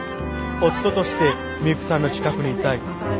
夫としてミユキさんの近くにいたい。